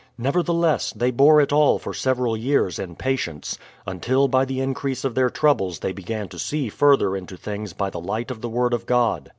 Nevertheless, they bore it all for several years in patience, until by the increase of their troubles they began to see further into things by the light of the word of God.